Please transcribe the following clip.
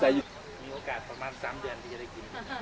มีโอกาสประมาณ๓เดือนจะได้กิน